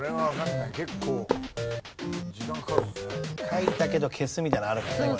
書いたけど消すみたいなのあるからねこれ。